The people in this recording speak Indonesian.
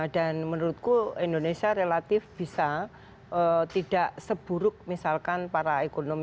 dan menurutku indonesia relatif bisa tidak seburuk misalkan para ekonomis